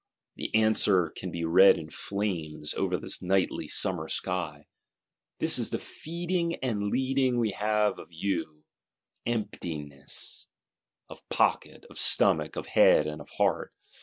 The answer can be read in flames, over the nightly summer sky. This is the feeding and leading we have had of you: EMPTINESS,—of pocket, of stomach, of head, and of heart.